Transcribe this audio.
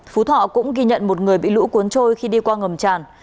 phú thọ cũng ghi nhận một người bị lũ cuốn trôi khi đi qua ngầm tràn